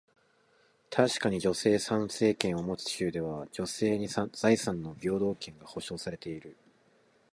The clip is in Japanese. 確かに、女性参政権を持つ州では、女性に財産の平等権が保証されている。